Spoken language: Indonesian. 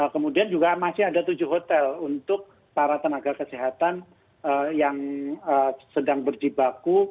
kemudian juga masih ada tujuh hotel untuk para tenaga kesehatan yang sedang berjibaku